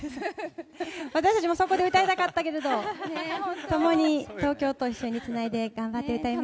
私たちもそこで歌いたかったけどともに東京と一緒につないで頑張ってきたい。